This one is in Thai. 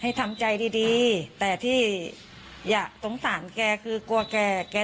ให้ทำใจดีแต่ที่อยากสงสารแกคือกลัวแกแกต้องกินยา